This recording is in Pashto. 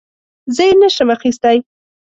زه یې نه شم اخیستی .